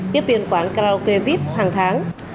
tiếp viên quán karaoke vip hàng tháng